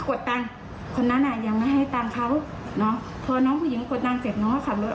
เขายังไม่ได้เงิน๓๐๐บาท